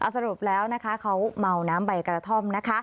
สรุปแล้วนะคะเขาเมาน้ำใบกระท่อมนะคะ